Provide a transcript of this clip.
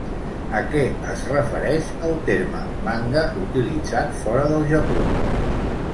A què es refereix el terme “Manga” utilitzat fora del Japó?